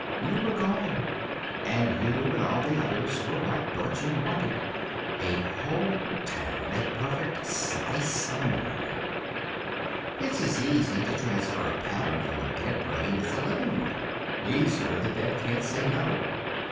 You were gone. And you and all the others were what Dorchin wanted a whole town, a perfect slice of America. It's as easy to transfer a pattern from a dead brain as a living one. Easier the dead can't say no.